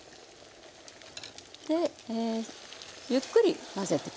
ゆっくり混ぜて下さい。